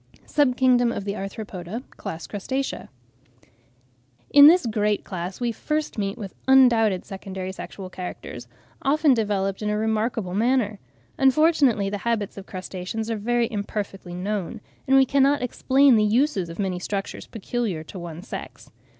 SUB KINGDOM OF THE ARTHROPODA: CLASS, CRUSTACEA. In this great class we first meet with undoubted secondary sexual characters, often developed in a remarkable manner. Unfortunately the habits of crustaceans are very imperfectly known, and we cannot explain the uses of many structures peculiar to one sex.